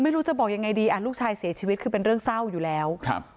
ไม่รู้จะบอกยังไงดีอ่ะลูกชายเสียชีวิตคือเป็นเรื่องเศร้าอยู่แล้วครับ